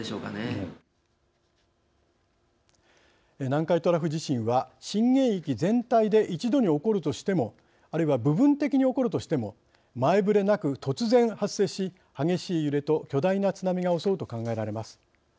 南海トラフ地震は震源域全体で一度に起こるとしてもあるいは部分的に起こるとしても前触れなく突然発生し激しい揺れと巨大な津波が襲うと考えられます。